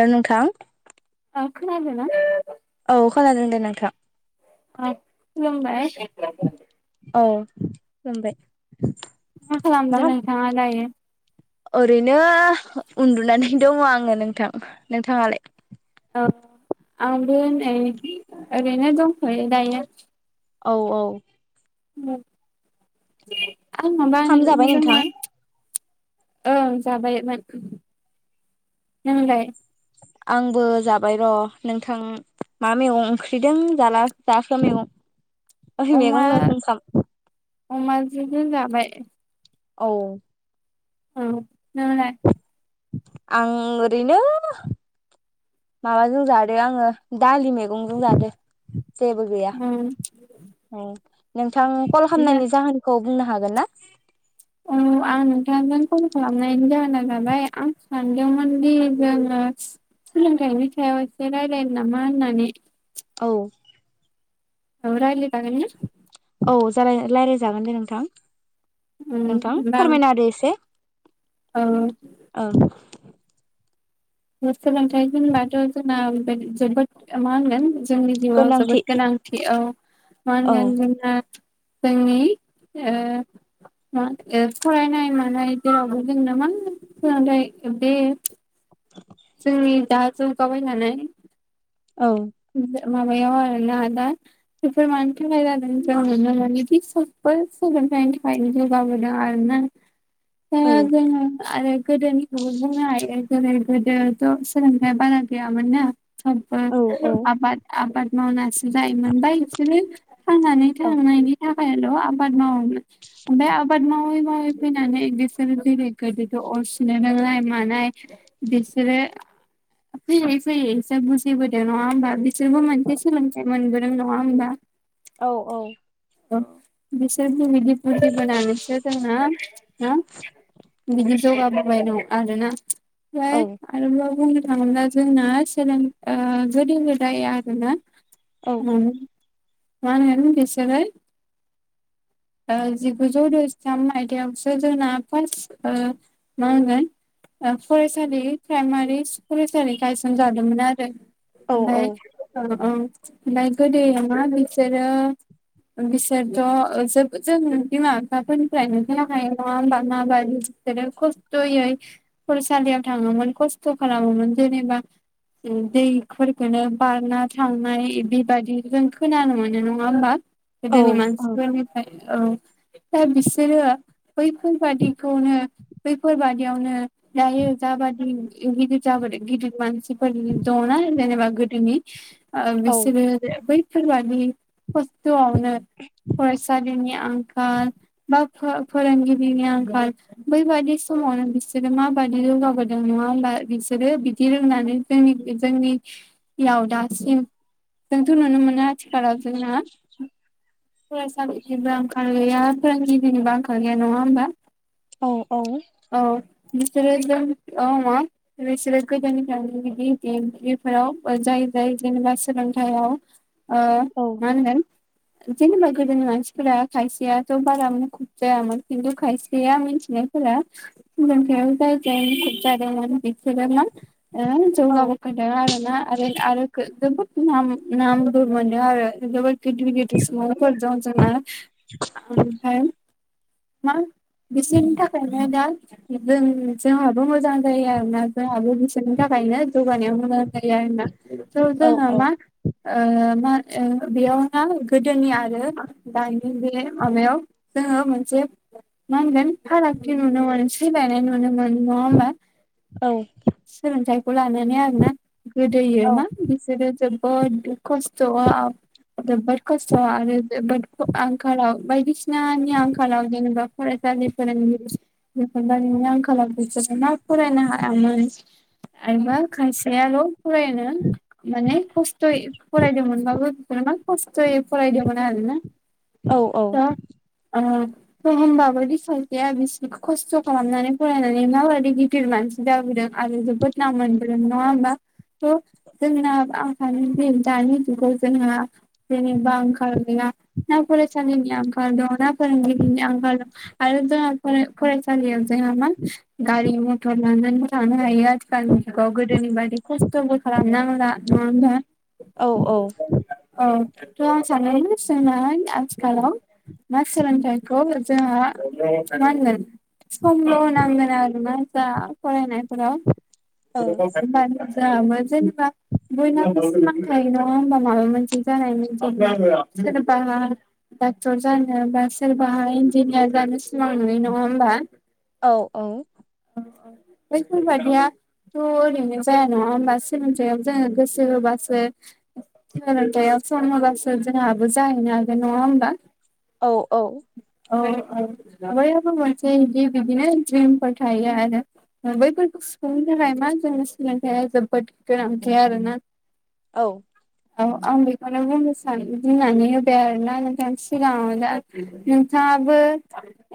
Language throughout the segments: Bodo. हेलौ नोंथां ओ खोनादोंना औ खोनादों दे नोंथां ओ खुलुमबाय औ खुलुमबाय मा खालामदों नोंथाङा दायो? ओरैनो उनदुनानै दङ आङो नोंथां, नोंथाङालाय? औ आंबो नै ओरैनो दंथ'यो दायो औ औ [unintelligible] आंनाबा खाम जाबाय नोंथां [unintelligible] ओं जाबायमोन, नोंलाय? आंबो जाबाय र' नोंथां मा मैगं ओंख्रिदों जाला जाखो मैगं ओ मैगं [unintelligible] खाम अमाजोंसो जाबाय। औ। औ नोंलाय आं ओरैनो माबाजों जादो आङो दालि मैगंजों जादो। जेबो गैया। ओं नोंथां कल जा खालामनायनि जाहोनखौ बुंनो हागोन ना? औ आं नोंथांजों कल खालामनायनि जाहोना जाबाय आं सानदोंमोन दि जोङो सोलोंथाइनि सायाव एसे रायलायनो नामा होननानै। औ। ओ रायलायजागोनने? औ जा रायलायजागोन दे नोंथां। ओम नोंथां होमबा आं फोरमायनाहोदो एसे। औ। ओं सोलोंथाइ होनबाथ' जोंना जोबोद मा होनगोन। जोंनि जिउआव गोनांथि जोबोद गोनांथि औ मा औ होनगोन। जोंनि ओ फरायनाय मानाय जेरावबो जोंनो मा सोलोंथाइ बे। खाबाय नानाय। औ। माबायाव आरोना दा बेफोर मानि थाखाय जादों जों नुनो बिदि गासैबो सोलोंथायनि थाखायनो जौगाबोदों आरोना? दा औ जोङो आरो। गोदोनिखौबो बुंनो हायो जेरै गोदोथ' सोलोंथाइ बारा गैयामोन ना। औ औ आबाद आबाद। मावनासो जाय मोनबाय बिसोरो थांनानै औ थांनायनि थाखाय। खायल' आबाद मावोमोन ओमफ्राय आबाद मावै मावै फैनानै बिसोरो गोदो गोदोथ' अरसुनो रोंनाय मानाय बिसोरो फैयै फैयै एसे बुजिबो नङा होमबा बिसोरबो मोनसे सोलोंथाइ मोनबोदों नङा होमबा। औ औ। बिसोर बिदि बुजि होनानैसो जोङो हो। बिदि जौगाबोबाय दं आरोना। औ जाय आरोबाव बुं दा जोंना सोलोंथाय आ गोदो-गोदाय आरोना औ उम मा होनगोन बेसेारो ओ जिगुजौ द'जिथाम मायथायाइयावसो जोंना फार्स्ट मा होनगोन फरायसालि प्राइमारि फरायसालि गायसनजादोंमोन आरो। औ ओमफ्राय नाय गोदोयो नंगौना बिसोरो बिसोरथ' जोब जों बिमा बिफाफोरनिफ्रायनो खोना खायो नङा होमबा माबायदि बिसोरो खस्थ'यै फरायसालियाव थाङोमोन खस्थ' खालामोमोन जेनेबा दैफोरखौनो बारना थांनाय बेबायादि जों खोनानो मोनो नङा होमबा गोदोनि औ मानसिफोरनि औ दा बिसोरो बैफोरबादिखौनो बैफोरबादियावनो जायो जाबादि गिदिर जाबोदो गिदिर मानसिफोरनि दङना जेनेबा गोदोनि आ औ बिसोरो बै सोरबादि खस्थ'आव [unintelligible] नि आंखाल बा फो फोरोंगिरिनि आंखाल बैबादि समावनो बिसोरो माबादि जौगाबोदों नङा होमबा बिसोरो बिदि रोंनानै जोंनि जोंनियाव दासिम जोंथ' नुनो मोनो आथिखालाव जोंना फरायसालिनिबो आंखाल गैया फोरोंगिरिनिबो आंखाल गैया नङा होमबा औ औ औ बिसोरो जों औ मा बिसोरो गोदोनिफ्राय [unintelligible] फोराव जाय जाय जेनेबा सोलोंथायाव ओ मा होनदों जेनेबा गोदोनि मानसिफोरा खायसेयाथ' बारा मुखुब जायामोन खिन्थु खायसेया मिनथिनायफोरा सोलोंथायाव जाय जाय मुखुब जादोंमोन बि [unintelligible] नाम नामबो मोनदों आरो जोबोथ गिदित गिदित सुबुंफोर दं जोंना ओमफ्राय मा बिसोरनि थाखायनो दा जों जोंहाबो मोजां जायो आरोना जोंहाबो बिसोरनि थाखायनो जौगानायाव मोजां जायो आरो ना [unintelligible] जोङो मा ओ ए बियावना गोदोनि आरो दानि बे माबायाव जोङो मोनसे मा होनगोन फारागथि नुनो मोनो सोलायनाय नुनो मोनो नङाहोमबा सोलोंथाय खौलानानै आरो ना गोदोयो मा बिसोरो जोब बोद खस्थ आव जोबोद खस्थ' आरो जोबोद आंखालाव बायदिसिनानि आंखालाव जेनेबा फरायसालि फोरोंगिरिफोरनि आंखालाव बिसोरो मा फरायनो हायामोन आरोबा खायसेयाल' फरायनो माने खस्थ'यै फरायदोंमोनबाबो [unintelligible] जायै फरायदोंमोन आरोना [unintelligible] होनबाबो बिसा बिफाया बिसोरखौ खस्थ' खालामनानै फरायनानै माबादि गिदिर मानसि जाबोदों आरो जोबोद नाम मोनबोदों नङा होमबा थ' जोंना [unintelligible] दानि जुगाव जोंहा जेनिबो आंखाल गैया ना फरायसालिनि आंखाल दं ना फोरोंगिरिनि आंखाल दं आरो जोंना फ फरायसालियाव जोंहा मा गारि मथर थानो हायो आरो दानि जुगाव गोदोनिबादि खस्थबो खालामलि नांला नांगा औ औ औ थ' आं सानो जोंना आथिखालाव ना सोलोंथाइखौ जोंहा मा होनगोन समल' होनांगोन आरोना जों फरायनाय हेल' माबा मोनसे जानायनि सोरबाहा डाक्टर जानो बा सोरबाहा इन्जिनियार जानो सिमां नुयो नङा होमबा औ औ बैफोरबादियाथ' ओरैनो जाया नङा होमबा सोलोंथाययाव जोङो गोसो होबासो सोलोंथायाव गोसो होबासो जोंहाबो जाहैनो हागोन नङा होमबा औ औ औ-औ बयहाबो मोनसे बिदि बिदिनो द्रिमफोर थायो आरो बैफोरखौ सुफुंनो थाखाय मा जोंनि सोलोंथाइया जोबोद गोनांथि आरोना औ औ आंबो माने बुंनो सानो बुंनानै होबाय आरोना नोंथां सिगाङाव दा नोंथाङाबो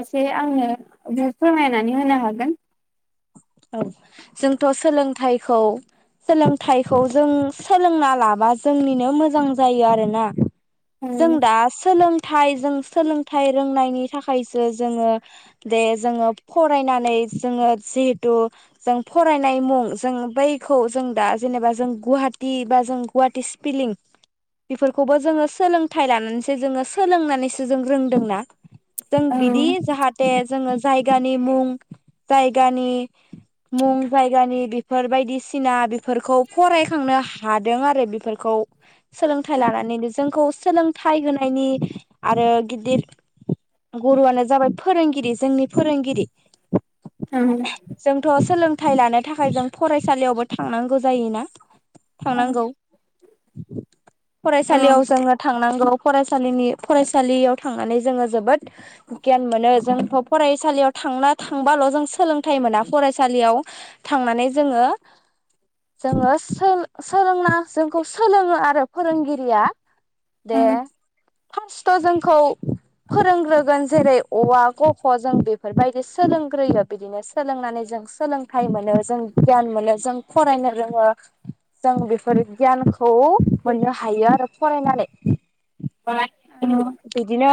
एसे आंनो फोरमायनानै होनो हागोन औ जोंथ' सोलोंथाइखौ सोलोंथाइखौ जों सोलोंना लाबा जोंनिनो मोजां जायो आरोना जों दा सोलोंथाइ जों सोलोंथाइ रोंनायनि थाखायसो जोङो दे जोङो फरायनानै जोङो जि तु जों फरायनाय मुं जों बैखौ जों दा जेनेबा जों गुहाटी बा जों गुवाटि स्पिलिं बेफोरखौबो जोङो सोलोंथाइ लानानैसो जोङो सोलोंनानैसो जों रोंदोंना जों औ बिदि जाहाथे जोङो जायगानि मुं जायगानि मुं जायगानि बेफोर बायदिसिना बेफोरखौ फरायखांनो हादों आरो बेफोरखौ सोलोंथाइ लानानैनो जोंखौ सोलोंथाइ होनायनि आरो गिदिर गुरुआनो जाबाय फोरोंगिरि जोंनि फोरोंगिरि औ थाय लानो थाखाय जों फरायसालियावबो थांनांगौ जायोना औ थांनांगौ [inaudible] औ फरायसालियाव जोङो थांनां फरायसालिनि फसालियाव थांनानै जोङो जोबोद गियान मोनो जोंथ' फरायसालियाव थांना थांबाल' जों सोलों लोंथाय मोना फरायसालियाव थांनानै जोङो जोङो सो सोलोंना जोंखौ सोलोङो आरो फोरोंगिरिया दे फार्स्टाव जोंखौ फोरोंग्रोगोन जेरै अ आ क ख जों बेफोरबायदि सोलोंग्रोयो बिदिनो सोलोंनानै जों सोलोंथाइ मोनो जों गियान मोनो जों फरायनो रोङो जों बेफोर गियानखौ मोननो हायो आरो फरायनानै [inaudible] बिदिनो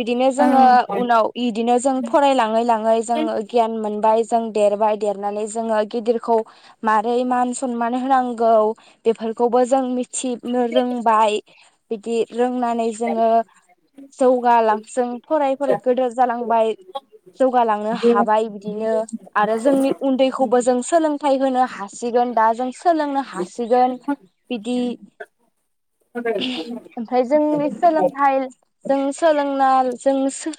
बिदिनो जोङो उनाव इदिनो जों फरायलाङै लाङै जोङो गियान मोनबाय जों देरबाय देरनानै जोङो गिदिरखौ मारै मान सनमान होनांगौ बेफोरखौबो जों मि थिनो रोंबाय बिदि रोंनानै जोङो जौ [unintelligible] जों फराय फरायै गोदोर जालांबाय। जौगालांनो हाबाय बिदिनो आरो जोंनि उन्दैखौबो जों सोलों फोथाय होनो हासिगोन दा जों सोलोंनो हासिगोन बिदि। ओमफ्राय जोंनि [unintelligible] सोलोंथाइ जों सोलोंना जों सो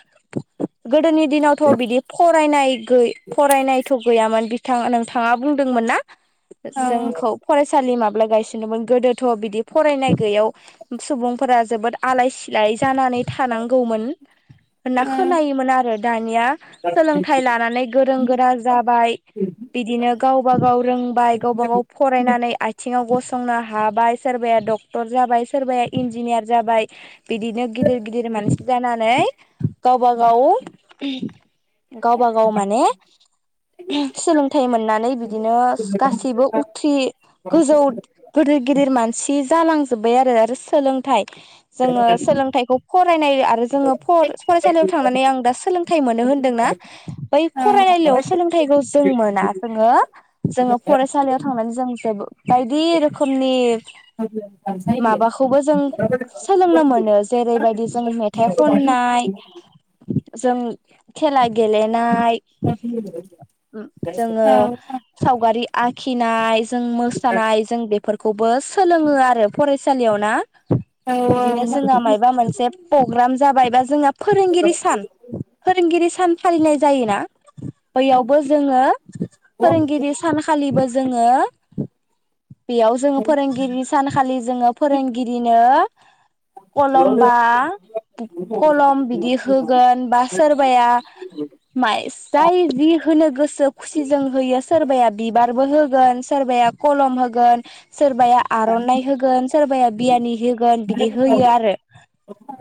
गोदोनि दिनावथ' बिदि फरायनाय गै फरायनायथ' गैयामोन। नोंथाङा नोंथाङा बुंदोंमोन ना? जोंखौ फरायसालि मा ब्ला गायसिनोमोन गोदोथ' बिदि फरायनाय गैयैयाव सुबुंफोरा जोबोद आलाय-सिलाय जानानै थानांगौमोन होनना मिथिगौ खोनायोमोन आरो दानिया सोलोंथाइ लानानै गोरों गोरा जाबाय बिदिनो गावबा गाव रोंबाय गावबा गाव फरायनानै आथिङाव गसं संनो हाबाय सोरबाया डक्टर जाबाय सोरबाया इन्जिनियार जाबाय बिदिनो गिदिर मानसि जानानै गावबा गाव [unintelligible] गावबा गाव माने सोलोंथाइ मोननानै बिदिनो गासैबो उथ्रि गोजौ गिदिर गिदिर मानसि जालांजो जोबबाय आरो आरो सोलोंथाइ जोङो सोलोंथाइखौ फरायनाय आरो जोङो फरायसालियाव थांनानै आं दा सोलोंथाइ मोनो होनदोंना बै फरायनायलयाव सोलोंथाइखौ जों मोना जोङो जोङो फरायसालियाव थांनानै जों जेबो बायदि रोखोमनि माबाखौबो जों सोलोंनो मोनो जेरैबा उम मेथाइ खननाय जों खेला गेले नाय जोङो सावगारि आखिनाय जों मोसानाय जों बेफोर खौबो सोलोङो आरो फरायसालियाव ना? बिदिनो जोंहा मायबा मोनसे प्रग्राम जाबाय बा जोंहा फोरोंगिरि सान फोरोंगिरि सान फालिनाय जायोना? बैयावबो जोङो फोरोंगिरि सानखालिबो जोङो बेयाव जोङो फोरोंगिरि सानखालि जोङो फोरोंगिरिनो कलम बा कलम बिदि होगोन बा सोरबाया मा जाय जि होनो गोसो खुसिजों होयो सोरबाया बिबारबो होगोन सोरबाया कलम हो गोन सोरबाया आर'नाइ होगोन सोरबाया बियानि होगोन बिदि होयो आरो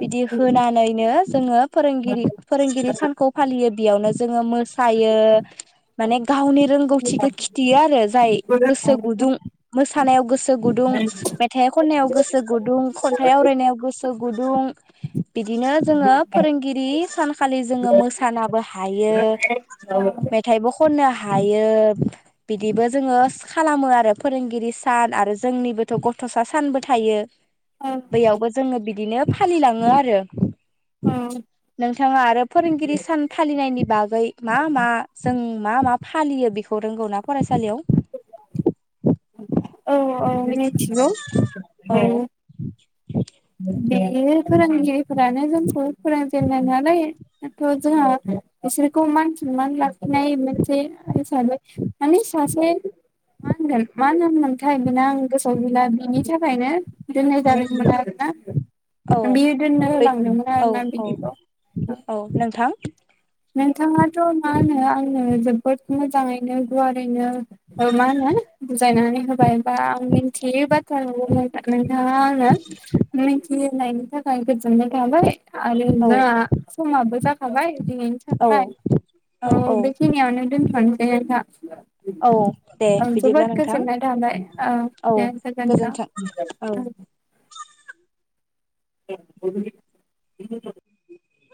बिदि होनानैनो जोङो फोरोंगिरि फोरोंगिरि सानखौ फालियो बेयावनो जोङो मोसा यो माने गावनि रोंगौथिखौ खिथियो आरो जाय गोसो गुदुं सानायाव गोसो गोसो गुदुं मेथाइ खननायाव गोसो गुदुं खनथाइ आवरायनायाव गोसो गुदुं [unintelligible] बिदिनो जोङो फोरोंगिरि सानखालि जोङो मोसानाबो हायो मेथाइबो खननो हा हायो बिदिबो जोङो खालामो आरो फोरोंगिरि गिरि सान आरो जोंनिबोथ गथसा सानबो थायो। बैयावबो जोङो बिदिनो फालिलाङो आरो नोंथाङा आरो फोरोंगिरि सान फालिनायनि बागै मा मा जों मा मा फालियो बेखौ रोंगौ ना फरायसालियाव? [inaudible] औ औ मिथि मिथिगौ औ बेयो फोरोंगिरि दानो जोंखौ फोरोंजेननाय नालाय दाथ जोंहा बिसोरखौ मान सनमान लाखिनाय मोनसे हिसाबै माने सासे मा होनगोन मा होनथाय बेना आं गोसोआव गैला बिनि थाखायनो दोननाय जादोंमोन आरो औ ना बियो दोननो बे होलांदोंमोन आरो औ ना औ बिदिखौ। औ नोंथां नोंथाङाथ मा होनो आंनो जोबोद मोजाङैनो गुवारैनो औ मा होनो बुजाय होबाय बा आं मिथियि बाथ्राफोरखौ नोंथाङा आंनो मिथियो होनायनि थाखाय गोजोननाय थाबाय आरो औ हा समाबो जाखाबाय दिनै औ फाय औ बेखिनियावनो दोनथनिसै बिथा औ दे औ बिदिब्ला जोबोद नोंथां गोजोननाय थाबाय औ दे गोजोन्थों गोजोनथों। औ [inaudible]